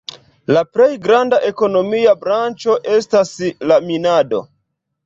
La plej granda ekonomia branĉo estas la minado.